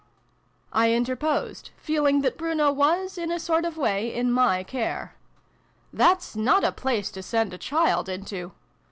I interposed, feeling that Bruno was, in a sort of way, in my care. "That's not a place to send a child into."